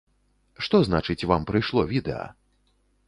Што значыць, вам прыйшло відэа?